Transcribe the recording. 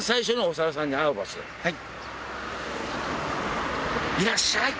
はい。